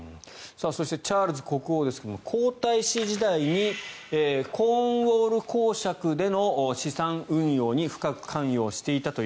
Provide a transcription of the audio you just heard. そしてチャールズ国王ですが皇太子時代にコーンウォール公領での資産運用に深く関与していたと。